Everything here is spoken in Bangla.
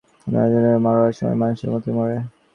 মনে হচ্ছে জনগণের নায়ক, মরার সময় মানুষের মতোই মরে।